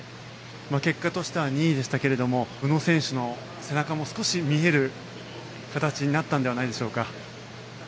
結果としては２位でしたけれども宇野選手の背中も少し見える形になったんではないでしょうか。